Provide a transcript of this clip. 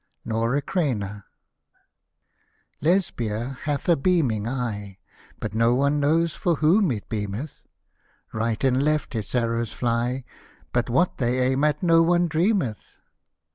NORA CREINA Lesbia hath a beaming eye, But no one knows for whom it bieameth Right and left its arrows fly, But what they aim at no one dreameth.